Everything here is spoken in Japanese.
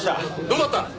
どうだった？